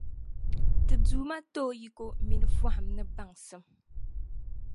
Ti Duuma ti o yiko mini fahim ni baŋsim.